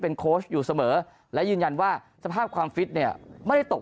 โค้ชอยู่เสมอและยืนยันว่าสภาพความฟิตเนี่ยไม่ได้ตก